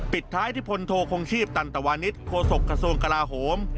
ปิดท้ายที่พลโทคงชีพตันตวานิสโฆษกระทรวงกลาโหม